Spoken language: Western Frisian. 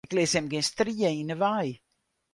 Ik lis him gjin strie yn 'e wei.